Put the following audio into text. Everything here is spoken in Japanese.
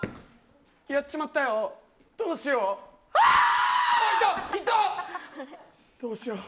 やっちまったよ、どうしよう。